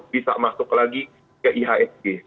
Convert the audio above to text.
bisa masuk lagi ke ihsg